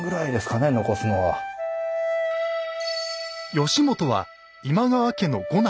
義元は今川家の五男。